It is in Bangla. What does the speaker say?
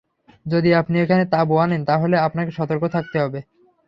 যদি আপনি এখানে তাবু আনেন, তাহলে আপনাকে সতর্ক থাকতে হবে।